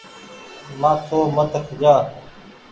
مآٿو مت کوجآ۔